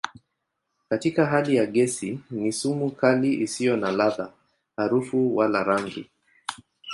Katika hali ya gesi ni sumu kali isiyo na ladha, harufu wala rangi.